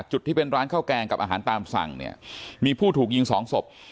ที่เป็นร้านข้าวแกงกับอาหารตามสั่งเนี่ยมีผู้ถูกยิงสองศพ